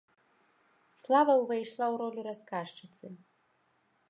Слава ўвайшла ў ролю расказчыцы.